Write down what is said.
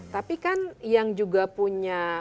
tapi kan yang juga punya